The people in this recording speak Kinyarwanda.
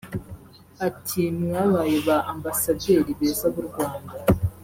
Ati "Mwabaye ba Ambasaderi beza b’u Rwanda